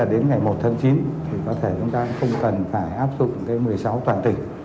về nhân lực thực hiện kế hoạch ước tính phương hủy đồng khoảng bốn người để thực hiện việc lấy mẫu